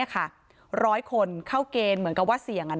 ร้อยคนเข้าเกณฑ์เหมือนกับว่าเสี่ยง